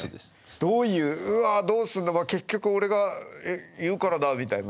どういううわどうすんのか結局俺がいるからだみたいな。